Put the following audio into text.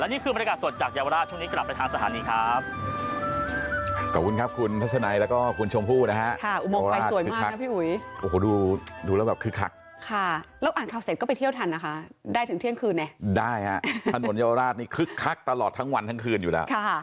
นี่คือบรรยากาศสดจากเยาวราชช่วงนี้กลับไปทางสถานีครับ